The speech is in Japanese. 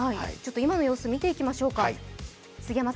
今の様子を見ていきましょうか。